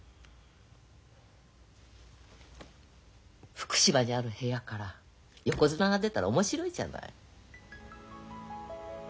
福島にある部屋から横綱が出たら面白いじゃない。